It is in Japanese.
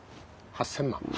８，０００万。